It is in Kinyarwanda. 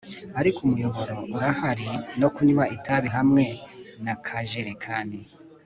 Ariko umuyoboro urahari no kunywa itabi hamwe na kajerekani